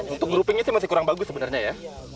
untuk groupingnya sih masih kurang bagus sebenarnya ya